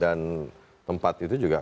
dan tempat itu juga